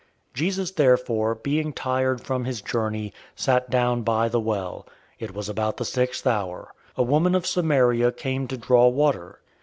Jesus therefore, being tired from his journey, sat down by the well. It was about the sixth hour{noon}. 004:007 A woman of Samaria came to draw water.